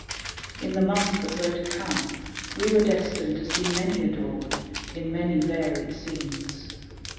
In the months that were to come we were destined to see many a dawn in many varied scenes.